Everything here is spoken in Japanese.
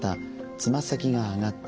つま先が上がった。